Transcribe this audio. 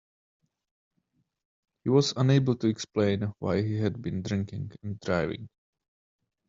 He was unable to explain why he had been drinking and driving